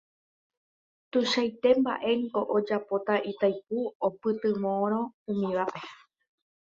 Tuichaite mba'éngo ojapóta Itaipu oipytyvõrõ umívape